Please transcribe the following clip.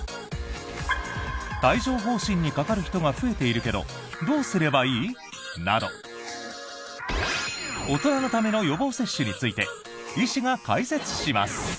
帯状疱疹にかかる人が増えているけどどうすればいい？など大人のための予防接種について医師が解説します。